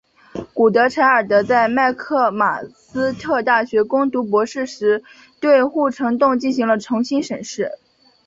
古德柴尔德在麦克马斯特大学攻读博士时对护城洞进行了重新审视。